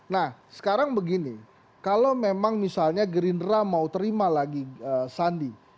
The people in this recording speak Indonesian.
nah sekarang begini kalau memang misalnya gerindra mau terima lagi sandi